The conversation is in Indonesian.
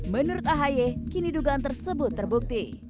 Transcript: menurut ahy kini dugaan tersebut terbukti